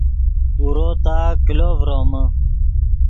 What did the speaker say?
اورو تا کلو ڤرومے